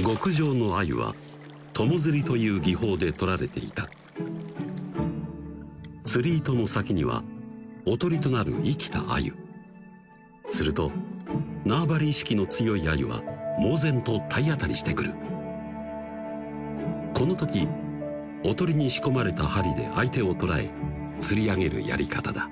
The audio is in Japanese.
極上の鮎は友釣りという技法で取られていた釣り糸の先にはおとりとなる生きた鮎すると縄張り意識の強い鮎は猛然と体当たりしてくるこの時おとりに仕込まれた針で相手を捕らえ釣り上げるやり方だ